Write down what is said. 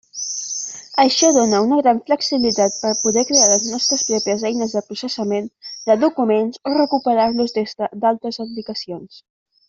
Això dóna una gran flexibilitat per poder crear les nostres pròpies eines de processament de documents o recuperar-los des d'altres aplicacions.